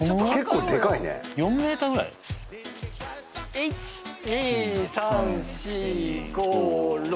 １２３４５６